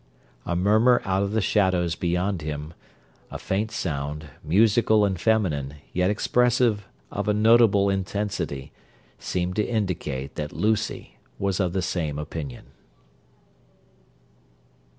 A murmur out of the shadows beyond him—a faint sound, musical and feminine, yet expressive of a notable intensity—seemed to indicate that Lucy was of the same opinion.